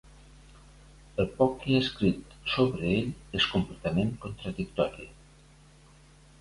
El poc que hi ha escrit sobre ell és completament contradictori.